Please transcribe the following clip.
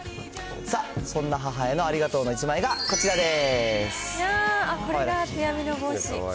さあ、そんな母へのありがとうの１枚がこちらです。